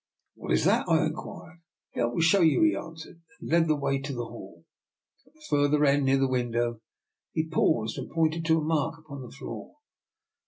What is that?" I inquired. I will show you," he answered, and led the way to the hall. At the further end, near the window, he paused and pointed to a mark upon the floor.